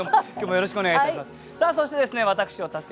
よろしくお願いします。